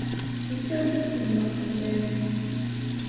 Usiɣ-d ad sellmeɣ fell-am.